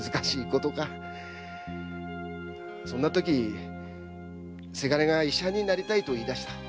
そんなとき伜が「医者になりたい」と言いだした。